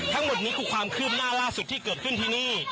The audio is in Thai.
ทั้งหมดนี้คือความคืบหน้าล่าสุดที่เกิดขึ้นที่นี่